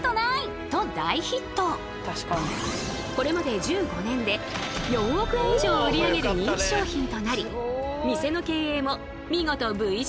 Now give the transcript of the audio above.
これまで１５年で４億円以上を売り上げる人気商品となり店の経営も見事Ｖ字回復。